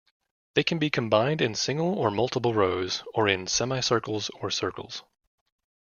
They can be combined in single or multiple rows, or in semicircles or circles.